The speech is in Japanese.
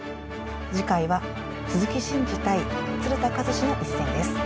次回は鈴木伸二対鶴田和志の一戦です。